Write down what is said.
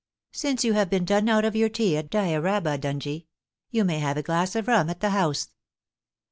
' Since you have been done out of your tea at Dyraaba, Dungie, you may have a glass of rum at the house.'